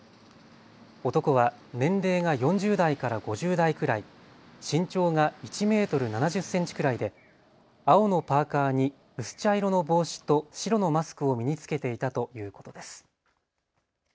男は年齢が４０代から５０代くらい、身長が１メートル７０センチくらいで青のパーカーに薄茶色の帽子と白のマスクを身に着けていたということです。